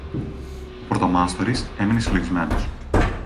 Ο πρωτομάστορης έμεινε συλλογισμένος.